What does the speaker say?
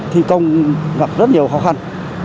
thi công gặp rất nhiều khó khăn